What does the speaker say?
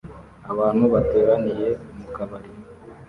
Abantu bateraniye mu kabari